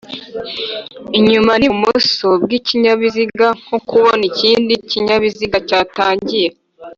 inyuma n ibumoso bw ikinyabiziga nko kubona ikindi kinyabiziga cyatangiye